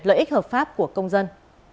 lợi ích hợp pháp của công dân